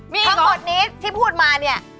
ข้างบนนี้ที่พูดมาเนี่ย